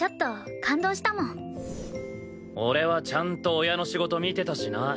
俺はちゃんと親の仕事見てたしな。